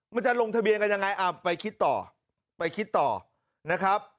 มันจะลงทะเบียนกันยังไงไปคิดต่อนะครับ